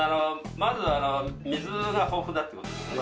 まず水が豊富ってことですね。